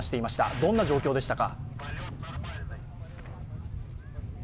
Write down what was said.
どんな状況でしたか？